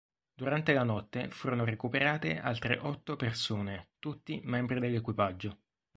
Durante la notte, furono recuperate altre otto persone, tutti membri dell'equipaggio.